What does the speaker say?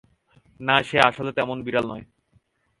না, সে আসলে তেমন বিড়াল নয়।